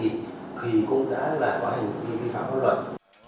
thì cũng đã là có hành vi vi phá pháp luật